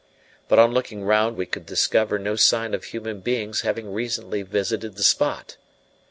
But on looking round we could discover no sign of human beings having recently visited the spot.